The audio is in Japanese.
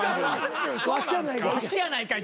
ワシやないかい！